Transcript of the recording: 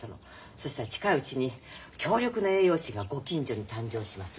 そしたら近いうちに強力な栄養士がご近所に誕生しますって。